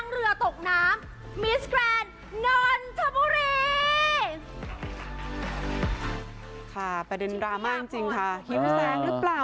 พิมพ์แซงรึเปล่า